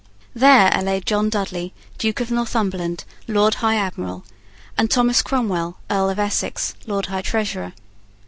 There are laid John Dudley, Duke of Northumberland, Lord High Admiral, and Thomas Cromwell, Earl of Essex, Lord High Treasurer.